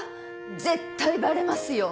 絶対バレますよ！